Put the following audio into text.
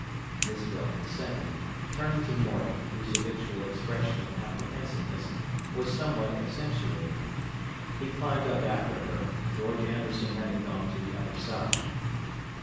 Isabel consented, turning to Morgan, whose habitual expression of apprehensiveness was somewhat accentuated. He climbed up after her, George Amberson having gone to the other side.